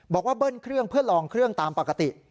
เบิ้ลเครื่องเพื่อลองเครื่องตามปกติ